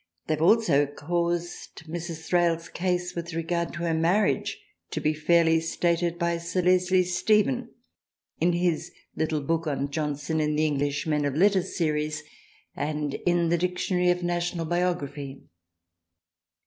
THRALIANA 3 They have also caused Mrs. Thrale's case with regard to her marriage to be fairly stated by Sir Leslie Stephen in his little book on Johnson in the English Men of Letters Series, and in the Dictionary of National Biography.